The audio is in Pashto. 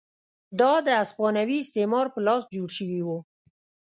دا د هسپانوي استعمار په لاس جوړ شوي وو.